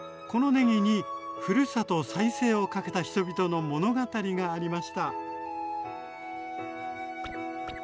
このねぎにふるさと再生を懸けた人々の物語がありました。